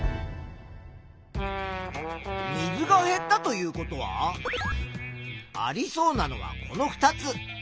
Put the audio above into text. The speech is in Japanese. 水が減ったということはありそうなのはこの２つ。